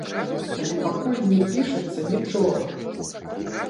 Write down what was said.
Але пакуль не пішацца нічога.